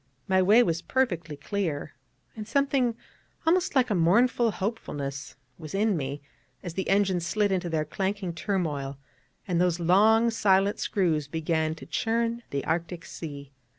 my way was perfectly clear; and something almost like a mournful hopefulness was in me as the engines slid into their clanking turmoil, and those long silent screws began to churn the Arctic sea.